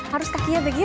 harus kakinya begitu